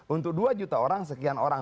untuk dua juta orang sekian orang